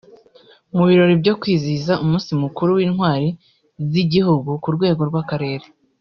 mu birori byo kwizihiza umunsi mukuru w’intwari z’igihugu ku rwego rw’akarere